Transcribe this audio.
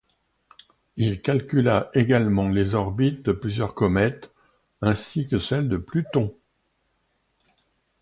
Il calcula également les orbites de plusieurs comètes, ainsi que celle de Pluton.